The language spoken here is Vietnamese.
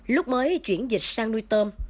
lúc mới chuyển dịch sang nuôi tôm